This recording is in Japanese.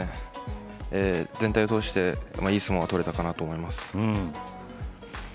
全体を通していい相撲が取れたかなと思います。